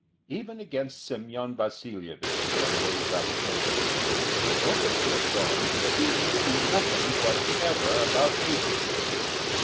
Even against Semyon Vasilyevich there rose up enemies, who openly affirmed that he knew nothing whatever about negresses.